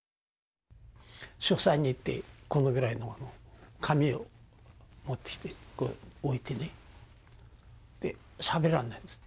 書斎に行ってこのぐらいの紙を持ってきて置いてねでしゃべらないんです。